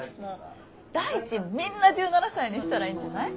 大臣みんな１７才にしたらいいんじゃない？